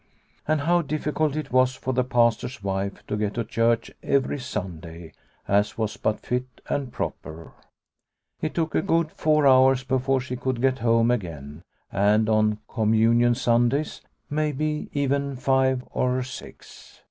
And how difficult it was for the Pastor's wife to get to church every Sunday, as was but fit and proper ! It took a good four hours before she could get home again ; and on Communion Sundays maybe even five or six.